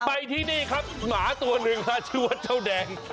ไปที่นี่ครับหมาตัวหนึ่งชื่อว่าเจ้าแดง